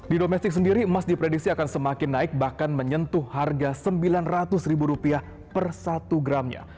di domestik sendiri emas diprediksi akan semakin naik bahkan menyentuh harga rp sembilan ratus per satu gramnya